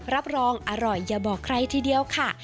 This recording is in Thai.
รับรองอร่อยอย่าบอกใครทีเดียวค่ะ